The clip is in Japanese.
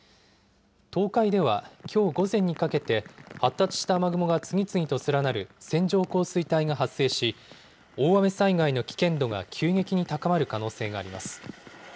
東海では、きょう午前にかけて発達した雨雲が次々と連なる線状降水帯が発生し大雨災害の危険度が急激に高まる可能性があります。